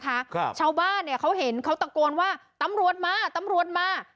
ครับชาวบ้านเนี้ยเขาเห็นเขาตะโกนว่าตำรวจมาตำรวจมา